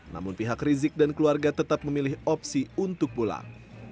namun pihak rizik dan keluarga tetap memilih opsi untuk pulang